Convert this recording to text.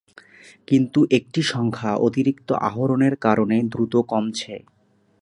কিন্তু এটির সংখ্যা অতিরিক্ত আহরণের কারণে দ্রুত কমছে।